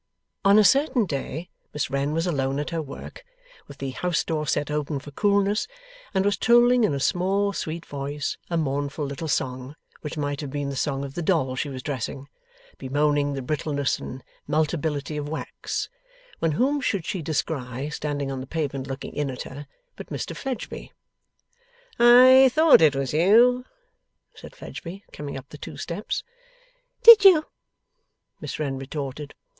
On a certain day, Miss Wren was alone at her work, with the house door set open for coolness, and was trolling in a small sweet voice a mournful little song which might have been the song of the doll she was dressing, bemoaning the brittleness and meltability of wax, when whom should she descry standing on the pavement, looking in at her, but Mr Fledgeby. 'I thought it was you?' said Fledgeby, coming up the two steps. 'Did you?' Miss Wren retorted.